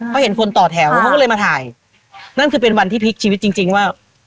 เขาเห็นคนต่อแถวเขาก็เลยมาถ่ายนั่นคือเป็นวันที่พลิกชีวิตจริงจริงว่า